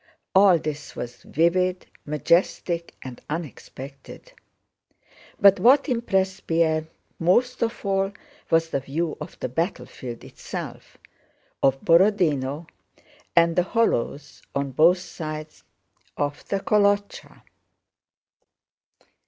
All this was vivid, majestic, and unexpected; but what impressed Pierre most of all was the view of the battlefield itself, of Borodinó and the hollows on both sides of the Kolochá.